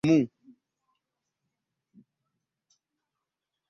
Namutegeeza nti ntunze nnusu bbiri ku ataano buli latiri emu.